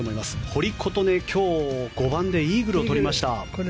堀琴音、今日５番でイーグルを取りました。